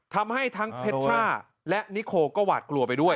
ทำให้ทั้งเพชรชร่าและนิโคก็หวาดกลัวไปด้วย